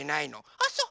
あっそう。